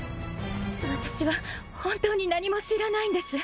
私は本当に何も知らないんです。